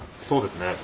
そうですね。